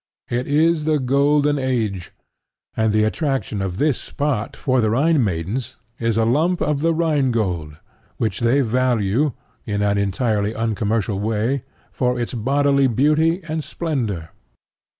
It is the golden age; and the attraction of this spot for the Rhine maidens is a lump of the Rhine gold, which they value, in an entirely uncommercial way, for its bodily beauty and splendor.